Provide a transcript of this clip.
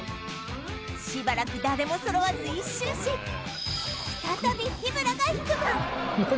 しばらく誰も揃わず１周し再び日村が引く番何？